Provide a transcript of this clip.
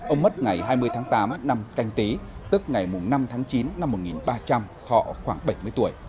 ông mất ngày hai mươi tháng tám năm canh tí tức ngày năm tháng chín năm một nghìn ba trăm linh họ khoảng bảy mươi tuổi